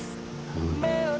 うん。